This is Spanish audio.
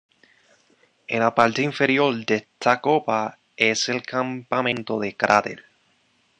En la parte inferior de esta copa es el campamento de 'cráter'".